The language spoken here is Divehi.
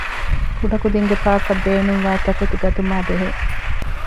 ކުޑަކުދިންގެ ޕާކަށް ބޭނުންވާ ތަކެތި ގަތުމާއި ބެހޭ